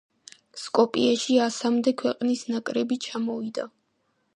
სკოპიეში ასამდე ქვეყნის ნაკრები ჩამოვიდა.